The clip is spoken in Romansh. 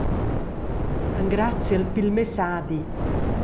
Engraziel pil messadi.